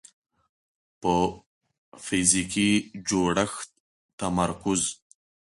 په فزیکي جوړښت تمرکز